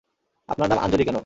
আপনার নাম আঞ্জলি কেন?